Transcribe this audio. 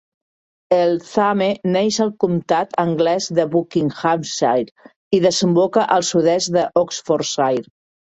El Thame neix al comtat anglès de Buckinghamshire i desemboca al sud-est d'Oxfordshire.